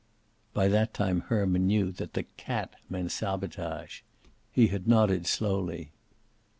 By that time Herman knew that the "cat" meant sabotage. He had nodded slowly.